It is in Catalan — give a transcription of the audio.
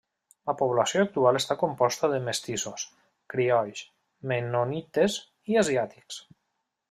La població actual està composta de mestissos, criolls, mennonites i asiàtics.